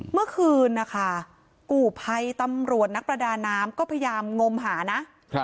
เมื่อคืนนะคะกู่ภัยตำรวจนักประดาน้ำก็พยายามงมหานะ